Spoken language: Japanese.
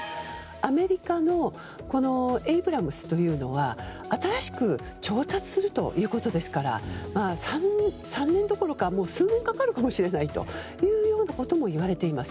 アメリカのエイブラムスというのは新しく調達するということですから３年どころか数年かかるかもしれないともいわれています。